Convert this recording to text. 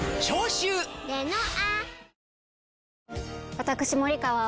私森川葵